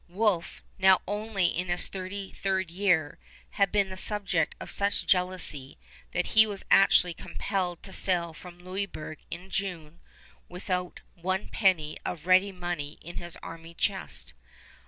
Wolfe, now only in his thirty third year, had been the subject of such jealousy that he was actually compelled to sail from Louisburg in June without one penny of ready money in his army chest.